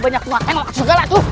banyak yang ngelakang segala tuh